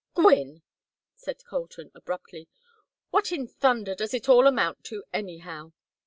"Gwynne!" said Colton, abruptly. "What in thunder does it all amount to, anyhow?